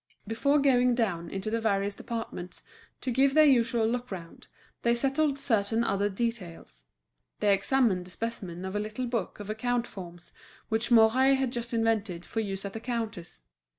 Before going down into the various departments to give their usual look round, they settled certain other details. They examined the specimen of a little book of account forms, which Mouret had just invented for use at the counters.